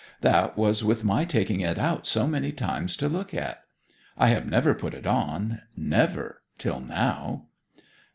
That was with my taking it out so many times to look at. I have never put it on never till now!'